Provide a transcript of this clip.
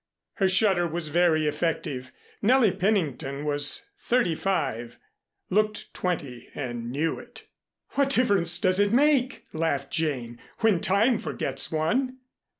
Her shudder was very effective. Nellie Pennington was thirty five, looked twenty, and knew it. "What difference does it make," laughed Jane, "when Time forgets one?"